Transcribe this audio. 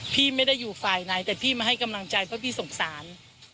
พี่ไม่ได้อยู่ฝ่ายไหนแต่พี่มาให้กำลังใจเพราะพี่สงสาร